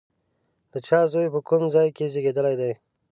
د چا زوی، په کوم ځای کې زېږېدلی دی؟